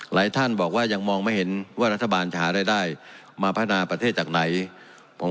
ท่านบอกว่ายังมองไม่เห็นว่ารัฐบาลจะหารายได้มาพัฒนาประเทศจากไหน